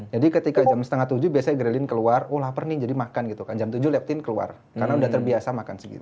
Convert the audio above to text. jadi ketika jam setengah tujuh biasanya ghrelin keluar oh lapar nih jadi makan gitu kan jam tujuh leptin keluar karena udah terbiasa makan segitu